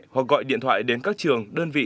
hoặc gọi điện thoại đến các trường đơn vị